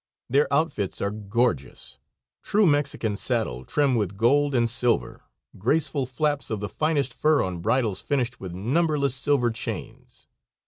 Their outfits are gorgeous; true Mexican saddle trimmed with gold and silver, graceful flaps of the finest fur on bridles finished with numberless silver chains.